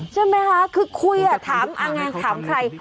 ใช่ไหมคะคือคุยอ่ะถามงานถามใคร